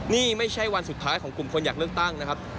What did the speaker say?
นี่ไม่ใช่วันสุดท้ายของกลุ่มคนอยากเลือกตั้งนะครับ